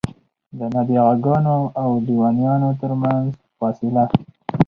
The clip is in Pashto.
د نابغه ګانو او لېونیانو ترمنځ فاصله.